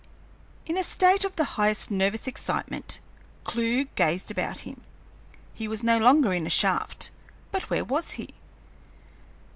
In a state of the highest nervous excitement, Clewe gazed about him. He was no longer in a shaft; but where was he?